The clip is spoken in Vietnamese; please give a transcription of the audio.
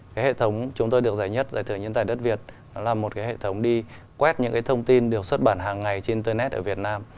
cái hệ thống chúng tôi được giải nhất giải thưởng nhân tài đất việt nó là một cái hệ thống đi quét những cái thông tin được xuất bản hàng ngày trên internet ở việt nam